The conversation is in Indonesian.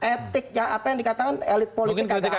etik apa yang dikatakan elit politik nggak ada